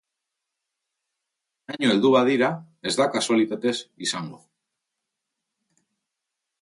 Honaino heldu badira, ez da kasualitatez izango.